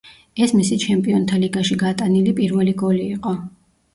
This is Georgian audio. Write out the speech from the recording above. ეს მისი ჩემპიონთა ლიგაში გატანილი პირველი გოლი იყო.